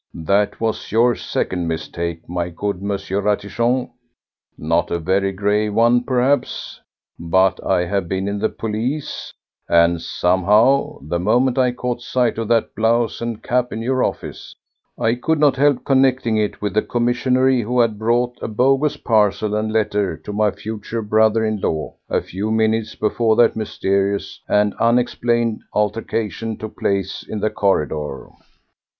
That was your second mistake, my good M. Ratichon; not a very grave one, perhaps, but I have been in the police, and somehow, the moment I caught sight of that blouse and cap in your office, I could not help connecting it with the commissionnaire who had brought a bogus parcel and letter to my future brother in law a few minutes before that mysterious and unexplained altercation took place in the corridor."